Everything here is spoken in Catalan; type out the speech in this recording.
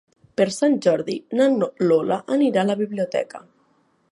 Per Sant Jordi na Lola irà a la biblioteca.